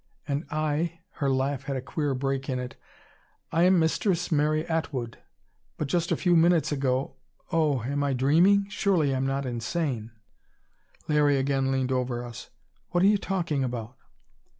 "And I," her laugh had a queer break in it "I am Mistress Mary Atwood. But just a few minutes ago oh, am I dreaming? Surely I'm not insane!" Larry again leaned over us. "What are you talking about?"